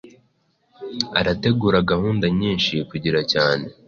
Arategura gahunda nyinshi kugira cyane